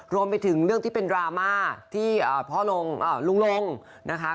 รวมไปถึงเรื่องที่เป็นดราม่าที่พ่อลุงลงนะคะ